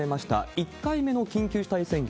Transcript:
１回目の緊急事態宣言。